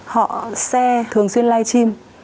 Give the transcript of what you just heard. họ share thường xuyên live stream